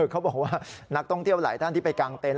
เขาบอกว่านักท่องเที่ยวหลายท่านที่ไปกางเต็นต